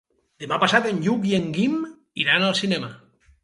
Demà passat en Lluc i en Guim iran al cinema.